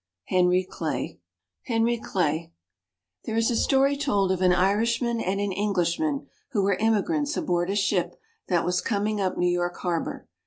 Henry Clay [Illustration: HENRY CLAY] There is a story told of an Irishman and an Englishman who were immigrants aboard a ship that was coming up New York Harbor.